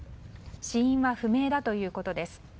死因は不明だということです。